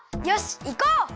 よしいこう！